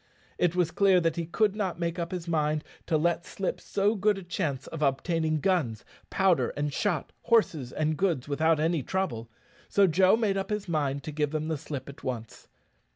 It was clear that he could not make up his mind to let slip so good a chance of obtaining guns, powder and shot, horses, and goods, without any trouble; so Joe made up his mind to give them the slip at once.